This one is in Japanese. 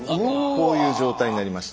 こういう状態になりました。